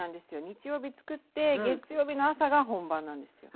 日曜日作って月曜日の朝が本番なんですよ。